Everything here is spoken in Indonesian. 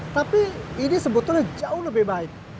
tapi ini sebetulnya jauh lebih baik